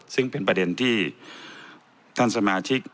ซึ่งเป็นประเด็นที่ท่านสมาชิก